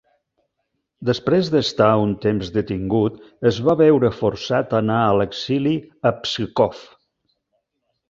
Després d'estar un temps detingut es va veure forçat a anar a l'exili a Pskov.